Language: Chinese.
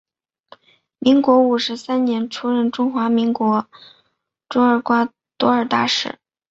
民国五十三年出任中华民国驻厄瓜多尔大使。